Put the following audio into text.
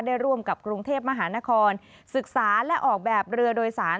ร่วมกับกรุงเทพมหานครศึกษาและออกแบบเรือโดยสาร